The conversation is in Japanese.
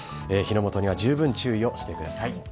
火の元には十分注意をしてください。